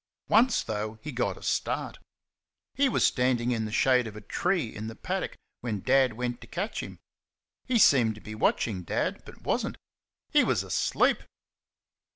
Once, though, he got a start. He was standing in the shade of a tree in the paddock when Dad went to catch him. He seemed to be watching Dad, but was n't. He was ASLEEP.